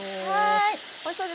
はい。